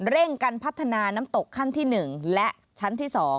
เร่งกันพัฒนาน้ำตกขั้นที่๑และชั้นที่๒